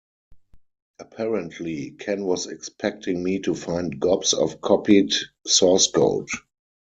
Apparently, Ken was expecting me to find gobs of copied source code.